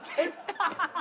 アハハハハ！